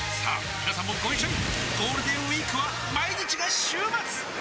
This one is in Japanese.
みなさんもご一緒にゴールデンウィークは毎日が週末！